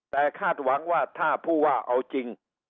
แต่คาดหวังว่าถ้าผู้ว่าเอาจริง